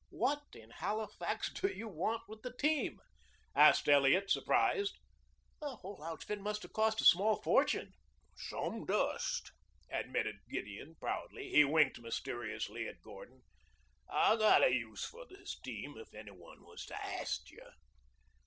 "What in Halifax do you want with the team?" asked Elliot, surprised. "The whole outfit must have cost a small fortune." "Some dust," admitted Gideon proudly. He winked mysteriously at Gordon. "I got a use for this team, if any one was to ask you."